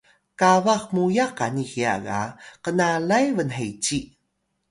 qabax muyax qani hiya ga knalay bnheci